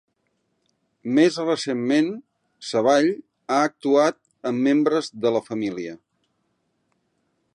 Més recentment, Savall ha actuat amb membres de la família.